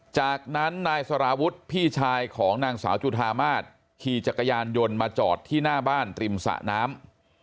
จากนั้นนายสารวุฒิพี่ชายของนางสาวจุธามาศขี่จักรยานยนต์มาจอดที่หน้าบ้านริมสะน้ำ